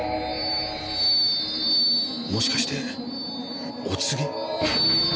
もしかしてお告げ？